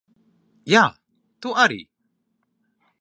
Jā, tu arī.